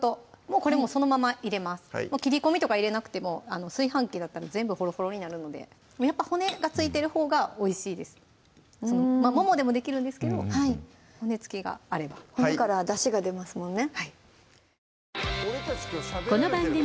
これもうそのまま入れます切り込みとか入れなくても炊飯器だったら全部ほろほろになるのでやっぱ骨が付いてるほうがおいしいですももでもできるんですけど骨付きがあれば骨からだしが出ますもんね